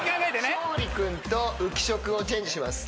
勝利君と浮所君をチェンジします。